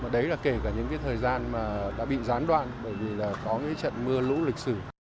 đấy là kể cả những thời gian đã bị gián đoạn bởi vì có những trận mưa lũ lịch sử